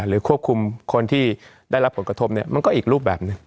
ควบคุมคนที่ได้รับผลกระทบเนี่ยมันก็อีกรูปแบบหนึ่ง